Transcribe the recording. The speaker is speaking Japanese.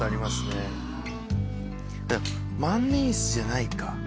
万年筆じゃないか。